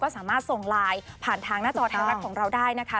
สามารถส่งไลน์ผ่านทางหน้าจอไทยรัฐของเราได้นะคะ